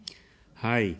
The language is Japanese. はい。